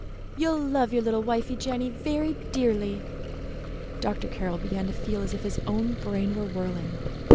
You'll love your little wifie Jenny very dearly." Dr. Carroll began to feel as if his own brain were whirling.